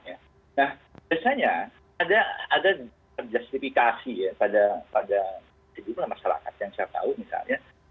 nah biasanya ada justifikasi ya pada sejumlah masyarakat yang saya tahu misalnya